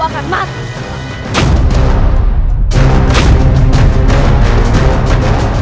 kau akan mati